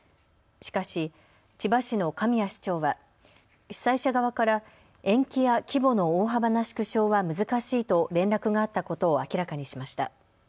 しかし千葉市の神谷市長は主催者側から延期や規模の大幅な縮小は難しいと連絡があったことを明らかにしました。